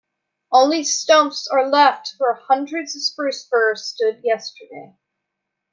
Only stumps are left where hundreds of spruce firs stood yesterday.